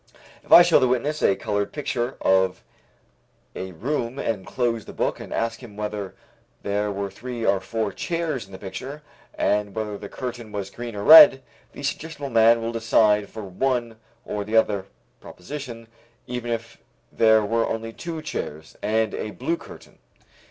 If I show the witness a colored picture of a room and close the book and ask him whether there were three or four chairs in the picture and whether the curtain was green or red, the suggestible man will decide for one or the other proposition, even if there were only two chairs and a blue curtain.